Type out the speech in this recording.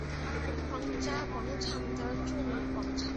皇家广场的著名广场。